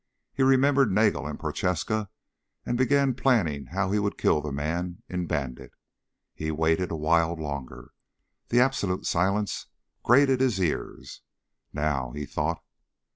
He remembered Nagel and Prochaska and began planning how he would kill the man in Bandit. He waited a while longer. The absolute silence grated his ears. Now, he thought.